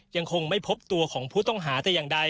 ยังคงไม่พบตัวของผู้ต้องหาแต่อย่างใด